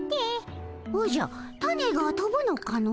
おじゃタネがとぶのかの。